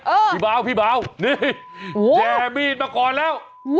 เออพี่เบานี่แย่มีดมาก่อนแล้วโอ้โฮ